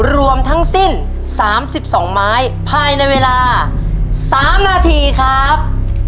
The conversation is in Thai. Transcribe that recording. รวมทั้งสิ้น๓๒ไม้ภายในเวลา๓นาทีครับ